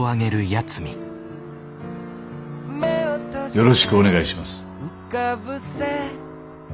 よろしくお願いします。